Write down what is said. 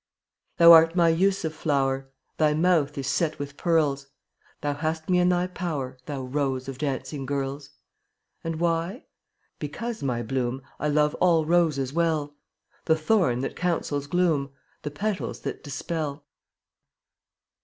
Thou art my Yusuf flower, Thy mouth is set with pearls; Thou hast me in thy power, Thou rose of dancing girls. And why? Because, my bloom, I love all roses well — The thorn that counsels gloom, The petals that dispel.